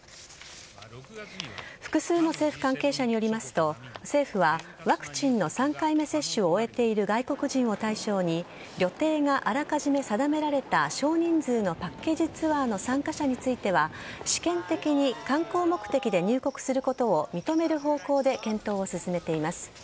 複数の政府関係者によりますと政府はワクチンの３回目接種を終えている外国人を対象に旅程があらかじめ定められた少人数のパッケージツアーの参加者については試験的に観光目的で入国することを認める方向で検討を進めています。